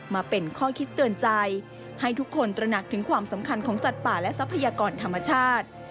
มาเป็นข้อคิดเตือนใจให้ทุกคนตระหนักถึงความสำคัญของสัตว์ป่าและทรัพยากรธรรมชาติ